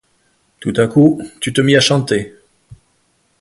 Tout à coup, tu te mis à chanter.